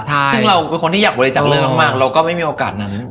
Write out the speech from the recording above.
ซึ่งเราเป็นคนที่อยากบริจาคเลือดมากเราก็ไม่มีโอกาสนั้น